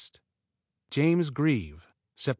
James Grieve Sept.